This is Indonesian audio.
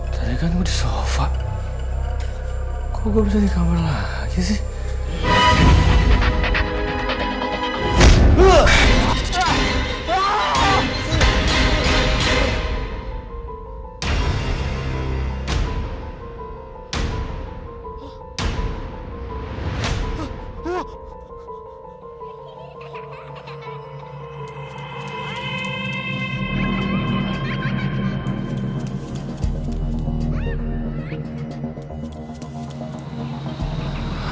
tadi kan gue di sofa kok gue bisa di kamar lagi sih